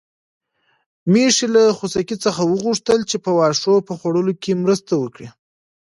میښې له خوسکي څخه وغوښتل چې د واښو په خوړلو کې مرسته وکړي.